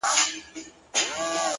• کشپ غوښتل جواب ورکړي په ښکنځلو ,